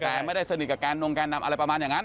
แต่ไม่ได้สนิทกับแกนงแกนนำอะไรประมาณอย่างนั้น